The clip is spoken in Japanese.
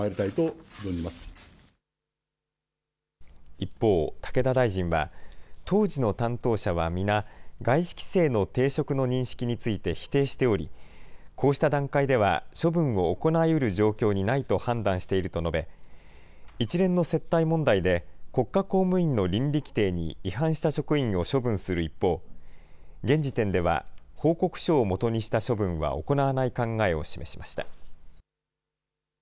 一方、武田大臣は、当時の担当者は皆、外資規制の抵触の認識について否定しており、こうした段階では、処分を行いうる状況にないと判断していると述べ、一連の接待問題で、国家公務員の倫理規程に違反した職員を処分する一方、現時点では報告書を基にした処分は行わない考えを示しました。